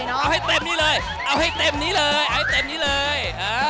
เอาให้เต็มนี้เลยเอาให้เต็มนี้เลยเอาให้เต็มนี้เลย